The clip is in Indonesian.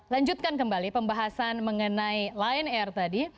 lanjutkan kembali pembahasan mengenai line r tadi